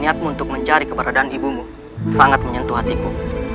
niatmu untuk mencari keberadaan ibumu sangat menyentuh hatiku